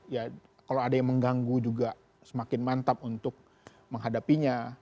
ya kalau ada yang mengganggu juga semakin mantap untuk menghadapinya